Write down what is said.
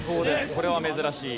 これは珍しい。